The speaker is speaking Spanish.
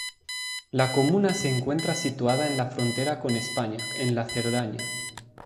La comuna se encuentra situada en la frontera con España, en la Cerdaña.